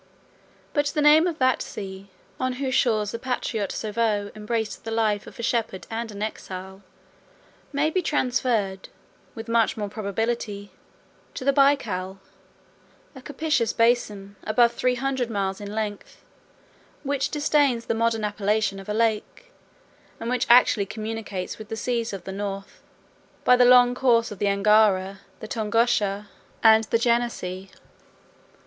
But the name of that sea, on whose shores the patriot Sovou embraced the life of a shepherd and an exile, 31 may be transferred, with much more probability, to the Baikal, a capacious basin, above three hundred miles in length, which disdains the modest appellation of a lake 32 and which actually communicates with the seas of the North, by the long course of the Angara, the Tongusha, and the Jenissea.